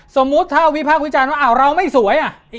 สมมุติถ้าวิภาควิจารณ์นี่อร่องไม่สวยอ่ะ